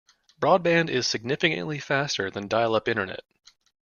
Broadband is significantly faster than dial-up internet.